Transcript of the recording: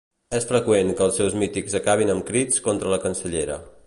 És freqüent que els seus mítings acabin amb crits contra la cancellera.